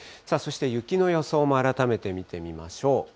さあ、そして雪の予想も改めて見てみましょう。